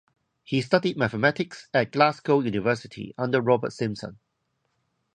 He studied Mathematics at Glasgow University under Robert Simson.